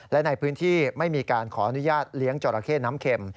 และในพื้นที่ไม่มีการขออนุญาตเลี้ยงจราเข้น้ำเข็ม